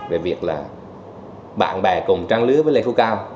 về việc là bạn bè cùng trang lứa với lê phú cao